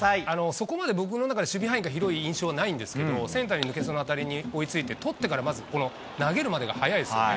そこまで僕の中で守備範囲が広い印象ないんですけど、センターに抜けそうな当たりに追いついて、捕ってから、このまず、投げるまでが速いですよね。